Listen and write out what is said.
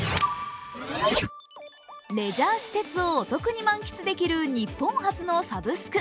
レジャー施設をお得に満喫できる日本初のサブスク。